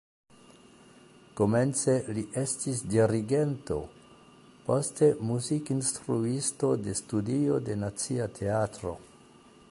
Komence li estis dirigento, poste muzikinstruisto de studio de Nacia Teatro.